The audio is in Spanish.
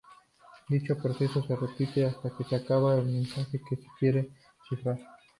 Dicho proceso se repite hasta que se acaba el mensaje que se quiere cifrar.